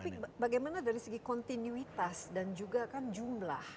tapi bagaimana dari segi kontinuitas dan juga kan jumlah